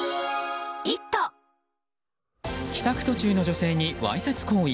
帰宅途中の女性にわいせつ行為。